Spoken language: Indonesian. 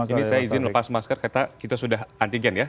ini saya izin lepas masker kita sudah antigen ya